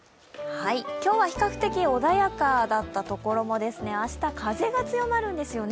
今日は比較的穏やかだったところも明日、風が強まるんですよね。